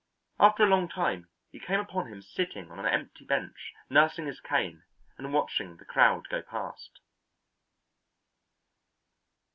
After a long time he came upon him sitting on an empty bench nursing his cane and watching the crowd go past.